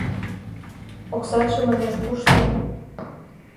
Оксатше, манеш, кушто?